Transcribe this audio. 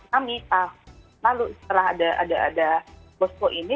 jadi dari advokasi kami lalu setelah ada bospo ini